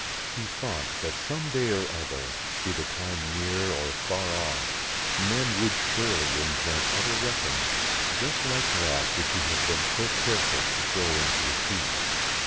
He thought that some day or other, be the time near or far off, men would surely invent other weapons just like that 36 THE FAIRY SPINNING WHEEL which he had been so careful to throw into the sea.